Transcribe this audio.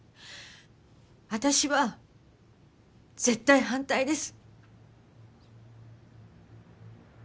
あたしは絶対反対です。